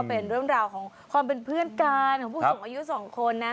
เป็นเรื่องราวของความเป็นเพื่อนกันของผู้สูงอายุสองคนนะ